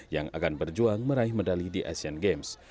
yang akan berjuang meraih medali di asian games